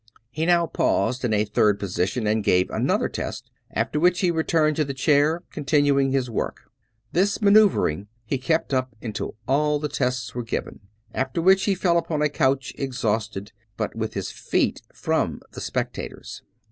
He now paused in a third position and gave another test, after which he returned to the chair, continuing his work. This maneuvering he kept up until all the tests were given; 272 Daznd P. Abbott after which he fell upon a couch exhausted, but with his feet from the spectators.